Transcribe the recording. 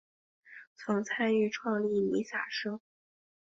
曾参与创立弥洒社。